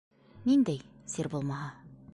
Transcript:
Ниндәй, сер булмаһа?..